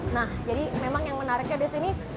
nah jadi memang yang menariknya disini